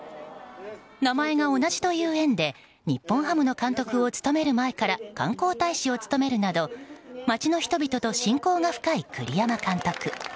名前が同じという縁で日本ハムの監督を務める前から観光大使を務めるなど町の人々と親交が深い栗山監督。